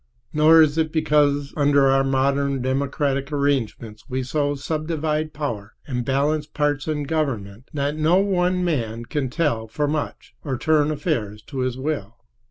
Nor is it because under our modern democratic arrangements we so subdivide power and balance parts in government that no one man can tell for much or turn affairs to his will.